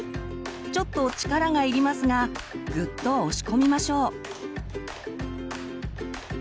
ちょっと力が要りますがグッと押し込みましょう。